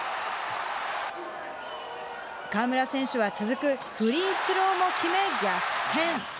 河村選手は続くフリースローも決め逆転。